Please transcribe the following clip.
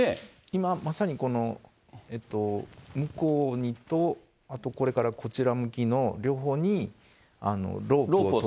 今まさにこの、向こうにと、あとこれからこちら向きの、両方にロープを。